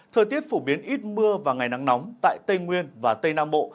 thời tiết phổ biến ít mưa và ngày nắng nóng tại tây nguyên và tây nam bộ